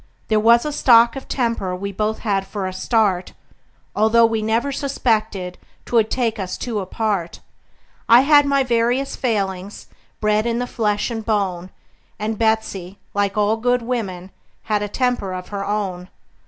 There was a stock of temper we both had for a start, Although we never suspected 'twould take us two apart; I had my various failings, bred in the flesh and bone; And Betsey, like all good women, had a temper of her own.